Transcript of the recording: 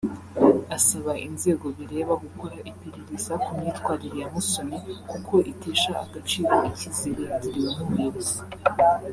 Asaba inzego bireba gukora iperereza ku myitwarire ya Musoni kuko itesha agaciro icyizere yagiriwe nk’umuyobozi